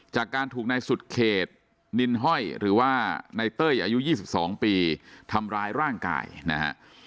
จากการถูกนายสุดเขตนินห้อยหรือว่าในเต้ยอายุ๒๒ปีทำร้ายร่างกายนะฮะ